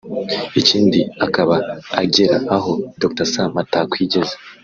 ikindi akaba agera aho Dr Sam atakwigeza